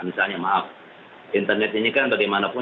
misalnya maaf internet ini kan bagaimanapun